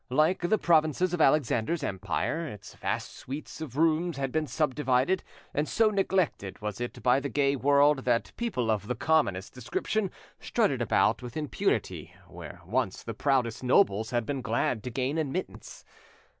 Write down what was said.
Like the provinces of Alexander's empire, its vast suites of rooms had been subdivided; and so neglected was it by the gay world that people of the commonest description strutted about with impunity where once the proudest nobles had been glad to gain admittance.